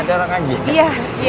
diorong aja ya